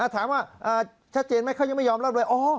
ถามว่าชัดเจนไหมเขายังไม่ยอมรับเลย